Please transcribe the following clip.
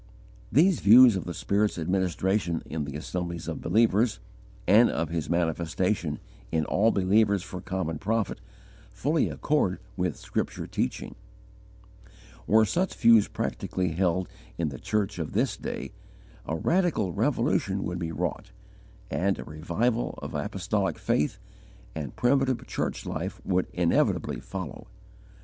These views of the Spirit's administration in the assemblies of believers, and of His manifestation in all believers for common profit, fully accord with scripture teaching. (1 Cor. xii., Romans xii., Ephes. iv., etc.) Were such views practically held in the church of this day, a radical revolution would be wrought and a revival of apostolic faith and primitive church life would inevitably follow.